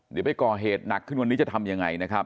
เดี๋ยวไปก่อเหตุหนักขึ้นวันนี้จะทำยังไงนะครับ